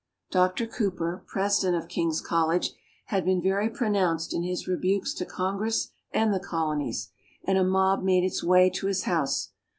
Doctor Cooper, President of King's College, had been very pronounced in his rebukes to Congress and the Colonies, and a mob made its way to his house.